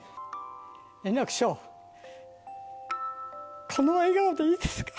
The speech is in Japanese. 円楽師匠、この笑顔でいいですか？